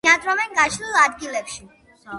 ბინადრობენ გაშლილ ადგილებში.